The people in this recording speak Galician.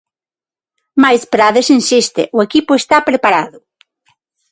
Mais Prades insiste: "O equipo está preparado".